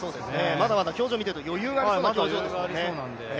まだまだ表情を見ていると余裕がありそうですもんね。